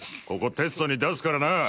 ここテストに出すからな！